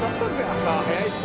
朝は早いし」